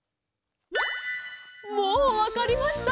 もうわかりました？